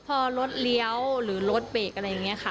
พอรถเลี้ยวหรือรถเบรกอะไรอย่างนี้ค่ะ